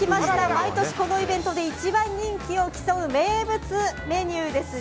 毎年、このイベントで一番人気を競う名物メニューです。